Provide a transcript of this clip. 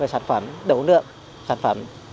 về sản phẩm đấu lượng sản phẩm